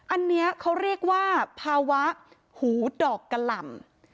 อันนี้เขาเรียกว่าภาวะหูดอกกะหล่ำ